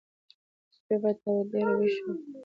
د شپې به تر ډېره ويښ و.